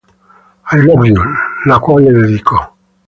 I Love You", la cual le dedicó.